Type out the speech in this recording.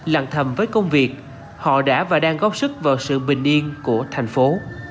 lặng thầm với công việc họ đã và đang góp sức vào sự bình yên của thành phố